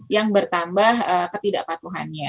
yang bertambah ketidakpatuhannya